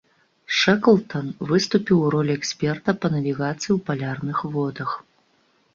Шэклтан выступіў у ролі эксперта па навігацыі ў палярных водах.